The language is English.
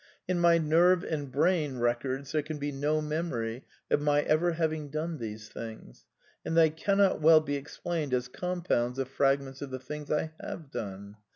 In my nerve and brain records there can be no memory of my ever having done these things; and they cannot well be explained as " compounds " of fragments of the things I have done.